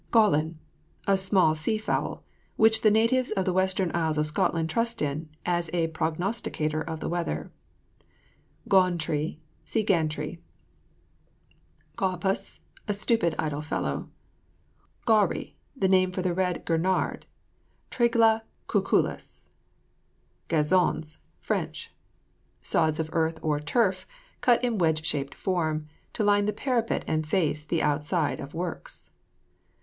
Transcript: GAWLIN. A small sea fowl which the natives of the Western Isles of Scotland trust in, as a prognosticator of the weather. GAWN TREE. See GANTREE. GAWPUS. A stupid, idle fellow. GAWRIE. A name for the red gurnard; Trigla cuculus. GAZONS [Fr.] Sods of earth or turf, cut in wedge shaped form, to line the parapet and face the outside of works.